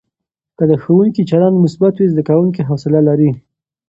که د ښوونکي چلند مثبت وي، زده کوونکي حوصله لري.